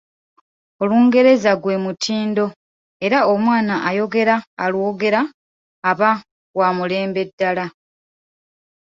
Olungereza gwe mutindo era omwana ayogera alwogera aba wa mulembe ddala.